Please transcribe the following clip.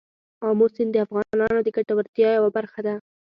آمو سیند د افغانانو د ګټورتیا یوه برخه ده.